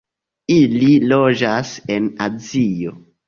Ili loĝas en Azio.